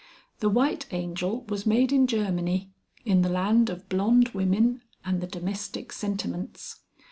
The white angel was made in Germany, in the land of blonde women and the domestic sentiments.